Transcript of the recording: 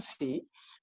pt pos indonesia